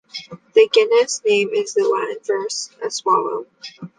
The genus name is the Latin for a swallow.